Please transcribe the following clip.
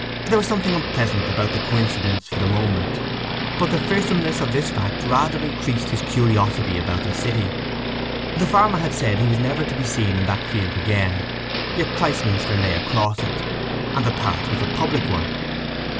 There was something unpleasant about the coincidence for the moment, but the fearsomeness of this fact rather increased his curiosity about the city. The farmer had said he was never to be seen in that field again; yet Christminster lay across it, and the path was a public one.